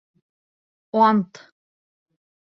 Ант!